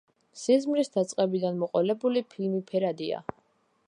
სიზმრის დაწყებიდან მოყოლებული, ფილმი ფერადია.